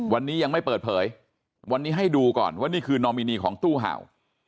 วันนี้ยังไม่เปิดเผยวันนี้ให้ดูก่อนว่านี่คือนอมินีของตู้เห่า